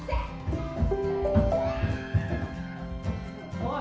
おい！